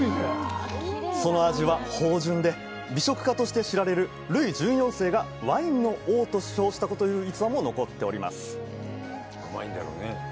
その味は芳醇で美食家として知られるルイ１４世が「ワインの王」と称したという逸話も残っております